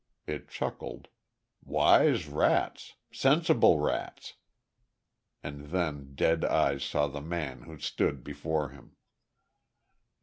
It chuckled: "Wise rats. Sensible rats!" And then dead eyes saw the man who stood before him.